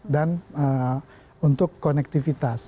dan untuk konektivitas